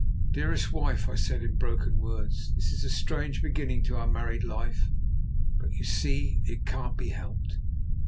"Dearest wife," I said in broken words, "this is a strange beginning to our married life, but you see it can't be helped."